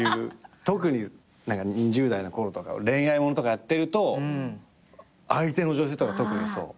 特に２０代のころとか恋愛ものとかやってると相手の女性とか特にそう。